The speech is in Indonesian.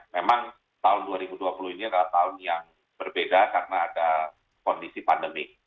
memang tahun dua ribu dua puluh ini adalah tahun yang berbeda karena ada kondisi pandemi